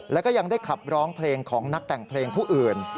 แล้วก็ยังได้ขับร้องเพลงของนักแต่งเพลงผู้อื่น